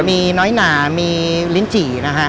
มีน้อยหนามีลิ้นจี่นะฮะ